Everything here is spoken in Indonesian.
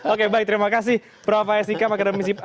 oke baik terima kasih prof pak isikam